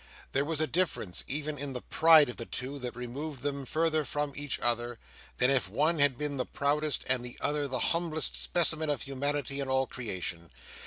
There was a difference even in the pride of the two, that removed them farther from each other, than if one had been the proudest and the other the humblest specimen of humanity in all creation.